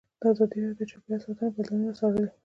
ازادي راډیو د چاپیریال ساتنه بدلونونه څارلي.